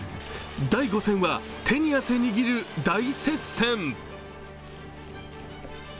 第５戦は手に汗握る大接戦。